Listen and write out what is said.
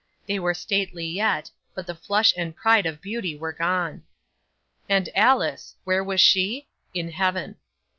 They were stately yet; but the flush and pride of beauty were gone. 'And Alice where was she? In Heaven.